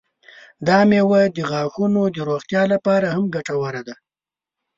دا میوه د غاښونو د روغتیا لپاره هم ګټوره ده.